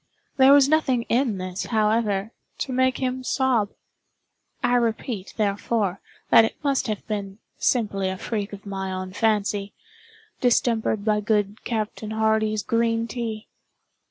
There was nothing in this, however, to make him sob. I repeat, therefore, that it must have been simply a freak of my own fancy, distempered by good Captain Hardy's green tea.